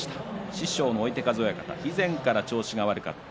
師匠の追手風親方、以前から調子が悪かった